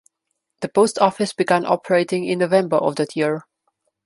The post office began operating in November of that year.